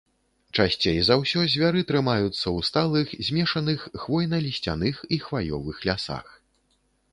Часцей за ўсё звяры трымаюцца ў сталых змешаных хвойна-лісцяных і хваёвых лясах.